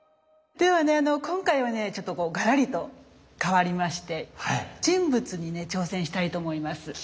ではね今回はねちょっとガラリと変わりまして人物に挑戦したいと思います。